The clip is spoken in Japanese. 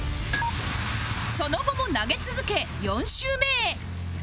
その後も投げ続け４周目へ